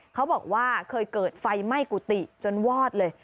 เขาบอกว่าเคยเกิดไฟไหม้กุฏิจนวอดเลย